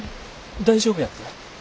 大丈夫やって？